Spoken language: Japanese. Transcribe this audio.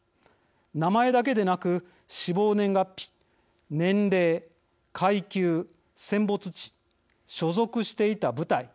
名前だけでなく死亡年月日、年齢、階級、戦没地所属していた部隊。